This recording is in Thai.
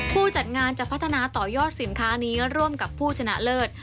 ผู้จัดงานจะพัฒนาต่อยอดสินค้านี้ร่วมกับผู้ชนะเลิศ